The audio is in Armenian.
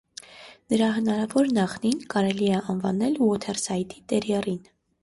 Նրա հնարավոր նախնին կարելի է անվանել ուոթերսայդի տերիերին։